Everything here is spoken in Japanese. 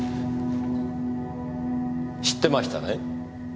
知ってましたね？